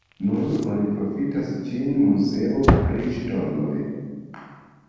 Nun oni profitas ĝin muzeo pri ŝtonoj.